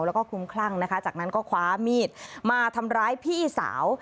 แล้วก็คลุมคลั่งนะคะจากนั้นก็คว้ามีดมาทำร้ายพี่สาว